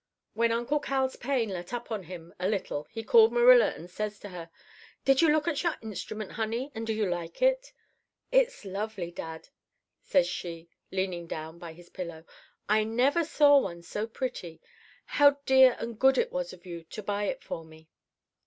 "When Uncle Cal's pain let up on him a little he called Marilla and says to her: 'Did you look at your instrument, honey? And do you like it?' "'It's lovely, dad,' says she, leaning down by his pillow; 'I never saw one so pretty. How dear and good it was of you to buy it for me!